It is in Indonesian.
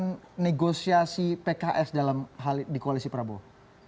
bagaimana negosiasi pks dalam hal di koalisi prabowo